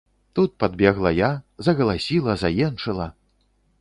Тут падбегла я, загаласіла, заенчыла.